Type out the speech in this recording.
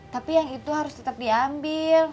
tapi yang itu harus tetap diambil